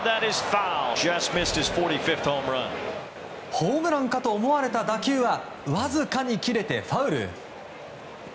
ホームランかと思われた打球はわずかに切れてファウル。